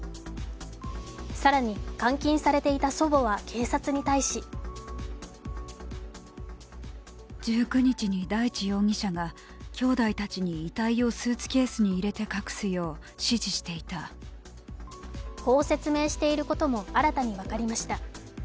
更に監禁されていた祖母は警察に対しこう説明していることも新たに分かりました。